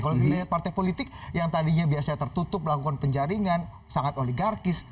kalau kita lihat partai politik yang tadinya biasanya tertutup melakukan penjaringan sangat oligarkis